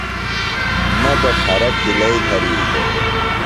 مہ بہ پھرہ کِھلئیۡ دھرِیتوۡ